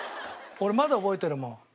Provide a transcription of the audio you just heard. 俺まだ覚えてるもん。